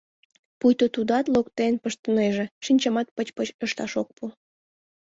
Пуйто тудат локтен пыштынеже, шинчамат пыч-пыч ышташ ок пу.